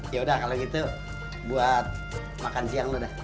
yaudah kalau gitu buat makan siang lo dah